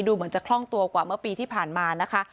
เหมือนจะคล่องตัวกว่าเมื่อปีที่ผ่านมานะคะ